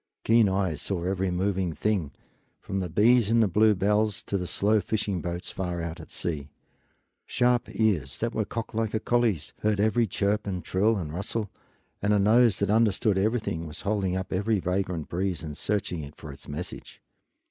Keen eyes saw every moving thing, from the bees in the bluebells to the slow fishing boats far out at sea; sharp ears that were cocked like a collie's heard every chirp and trill and rustle, and a nose that understood everything was holding up every vagrant breeze and searching it for its message.